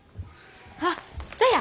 あっそや！